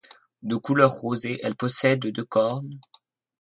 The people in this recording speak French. De couleur rosée elle possède deux cornes.